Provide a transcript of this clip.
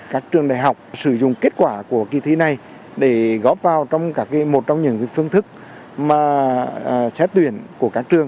các trường đại học sử dụng kết quả của kỳ thi này để góp vào trong một trong những phương thức xét tuyển của các trường